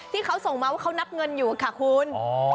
ที่เขาส่งมาว่าเขานับเงินอยู่ค่ะคุณ